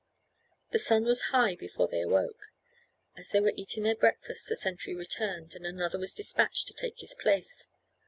The sun was high before they awoke. As they were eating their breakfast the sentry returned, and another was despatched to take his place.